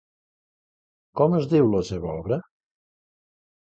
Com es diu la seva obra?